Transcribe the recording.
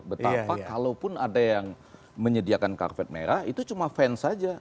betapa kalaupun ada yang menyediakan karpet merah itu cuma fans saja